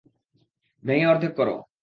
ভেঙে অর্ধেক করো।